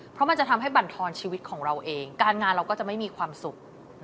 เพราะมันจะทำให้บรรทอนชีวิตของเราเองการงานเราก็จะไม่มีความสุข